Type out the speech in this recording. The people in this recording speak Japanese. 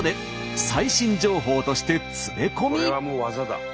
これはもう技だ。